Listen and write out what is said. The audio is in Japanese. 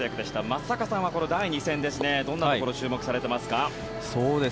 松坂さんはこの第２戦、どんなところを注目されていますか。